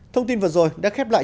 thông tin vừa rồi đã khép lại